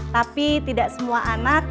tapi tidak semua anak